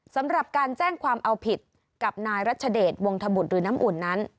สำหรับการแจ้งความเอาผิดกับนายรัชเดชวงธบุตรหรือน้ำอุ่นนั้น